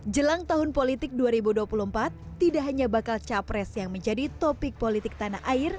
jelang tahun politik dua ribu dua puluh empat tidak hanya bakal capres yang menjadi topik politik tanah air